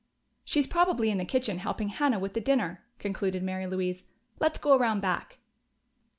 "She's probably in the kitchen helping Hannah with the dinner," concluded Mary Louise. "Let's go around back."